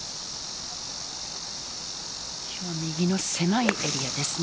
右の狭いエリアですね。